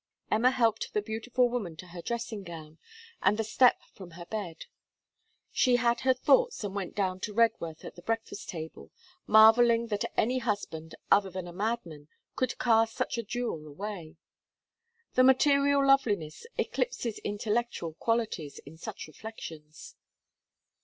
Emma helped the beautiful woman to her dressing gown and the step from her bed. She had her thoughts, and went down to Redworth at the breakfast table, marvelling that any husband other than a madman could cast such a jewel away. The material loveliness eclipses intellectual qualities in such reflections.